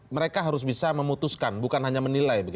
mereka harus bisa memutuskan bukan hanya menilai